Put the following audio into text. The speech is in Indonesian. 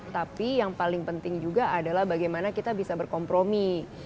tapi yang paling penting juga adalah bagaimana kita bisa berkompromi